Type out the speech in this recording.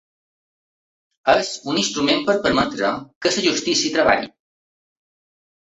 És un instrument per permetre que la justícia treballi.